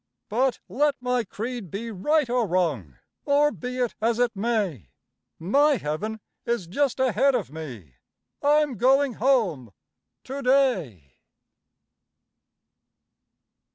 But let my creed be right or wrong, or be it as it may, My heaven is just ahead of me I'm going home to day.